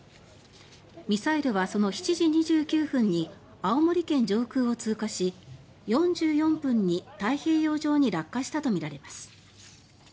ミサイルはその７時２９分に青森県上空を通過し４４分に太平洋上に落下したとみられます。